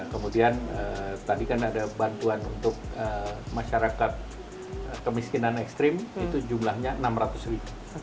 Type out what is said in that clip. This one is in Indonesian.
kemudian tadi kan ada bantuan untuk masyarakat kemiskinan ekstrim itu jumlahnya enam ratus ribu